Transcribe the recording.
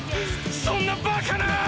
そんなバカな！